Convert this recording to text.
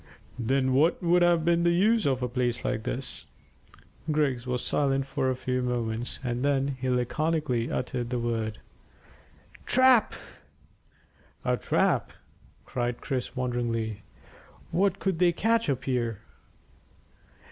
"Then what would have been the use of a place like this?" Griggs was silent for a few moments, and then he laconically uttered the word "Trap!" "A trap!" cried Chris wonderingly. "What could they catch up here?"